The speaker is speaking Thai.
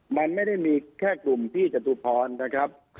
มันไม่ได้มีแค่กลุ่มพี่จตุพรนะครับ